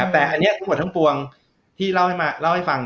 แต่อันนี้ทั้งหมดทั้งปวงที่เล่าให้ฟัง